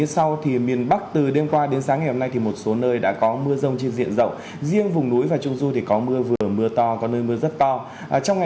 xin chào các bạn